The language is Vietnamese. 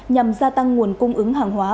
nhằm gia tăng nguồn cung ứng hàng hóa